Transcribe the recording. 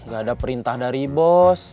gak ada perintah dari bos